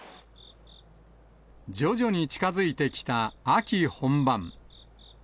徐々に近づいてきた秋本番。